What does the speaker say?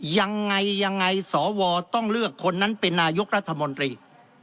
ยังไงยังไงสวต้องเลือกคนนั้นเป็นนายกรัฐมนตรี